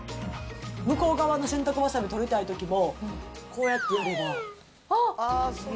向こう側の洗濯ばさみ取りたいときも、こうやってやれば。